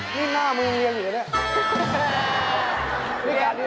นี่หน้ามึงเรียนอยู่หรือยังเนี่ย